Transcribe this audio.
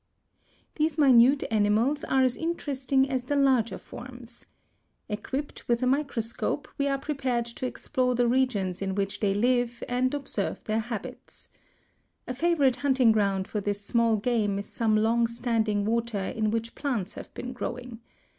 These minute animals are as interesting as the larger forms. Equipped with a microscope, we are prepared to explore the regions in which they live and observe their habits. A favorite hunting ground for this small game is some long standing water in which plants have been growing.